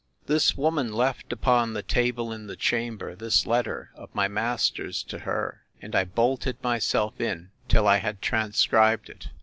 —— This woman left upon the table, in the chamber, this letter of my master's to her; and I bolted myself in, till I had transcribed it.